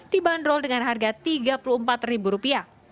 dibanderol dengan harga rp tiga puluh empat